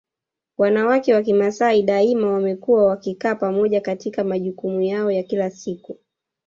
Wanawake wa Kimasai daima wamekuwa wakikaa pamoja katika majukumu yao ya kila siku